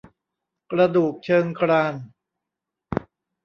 กระดูกเชิงกราน